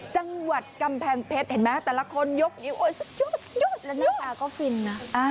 จังหวัดกำแพงเพชรเห็นไหมแต่ละคนยกนิ้วสักยุดแล้วหน้าตาก็ฟินนะ